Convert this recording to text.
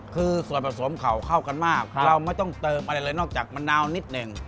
คือส่วนผสมเข่าเข้ากันมากเราไม่ต้องเติมอะไรเลยนอกจากมะนาวนิดหนึ่ง